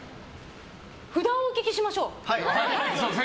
札をお聞きしましょう。